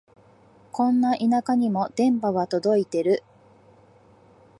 こんな田舎にも電波は届いてる